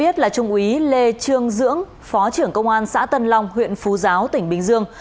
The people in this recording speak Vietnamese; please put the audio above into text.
trung úy lê trương dưỡng phó trưởng công an xã tân long huyện phú giáo tỉnh bình dương